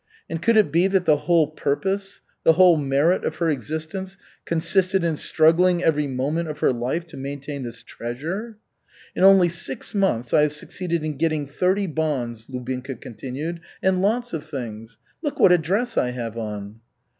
And could it be that the whole purpose, the whole merit of her existence consisted in struggling every moment of her life to maintain this treasure? "In only six months I have succeeded in getting thirty bonds," Lubinka continued, "and lots of things. Look what a dress I have on!"